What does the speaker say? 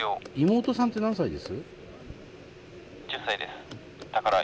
妹さんって何歳です？